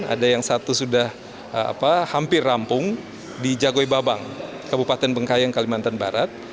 ada yang satu sudah hampir rampung di jagoi babang kabupaten bengkayang kalimantan barat